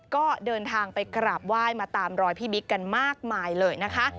ก็เดินทางไปกราบไหว้มาตามรอยพี่บิ๊กกันมากมายเลยนะคะ